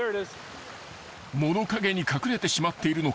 ［物陰に隠れてしまっているのか